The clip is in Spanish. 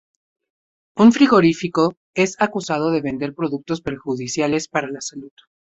Un frigorífico es acusado de vender productos perjudiciales para la salud.